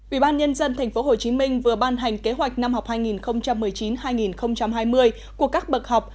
ủy ban nhân dân tp hcm vừa ban hành kế hoạch năm học hai nghìn một mươi chín hai nghìn hai mươi của các bậc học